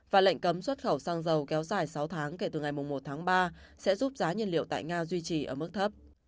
và lệnh cấm xuất khẩu sang dầu kéo dài sáu tháng kể từ ngày một tháng ba sẽ giúp giá nhân liệu tại nga duy trì ở mức thấp